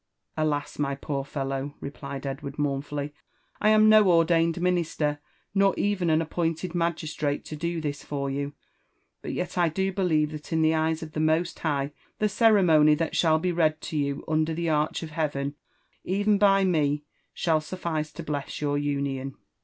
''Alas my poor fellow I" replied Edward mournfully, "I am no ordained minister, nor even an appointed magistrate to do] this for you ; but yet I do believe that in the eyes of the Most High the cere mony that shall be read to you under the' arch of Heaven even by me shall suffice to bless your union."